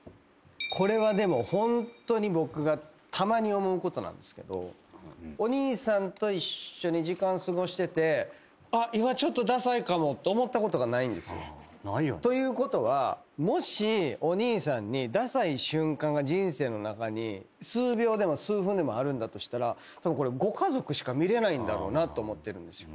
これはでもホントに僕がたまに思うことなんですけどお兄さんと一緒に時間過ごしてて。と思ったことがないんですよ。ということはもしお兄さんにダサい瞬間が人生の中に数秒でも数分でもあるんだとしたらご家族しか見れないんだろうなと思ってるんですよ。